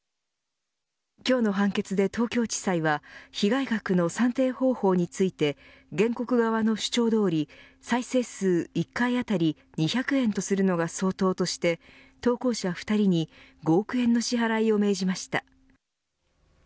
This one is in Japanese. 今日の判決で東京地裁は被害額の算定方法について原告側の主張どおり再生数１回あたり２００円とするのが相当として投稿者２人に５億円の支払いを命じました。